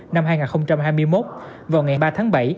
năm hai nghìn hai mươi một vào ngày ba tháng bảy